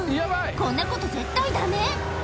こんなこと絶対ダメ！